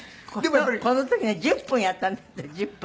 この時ね１０分やったんだって１０分。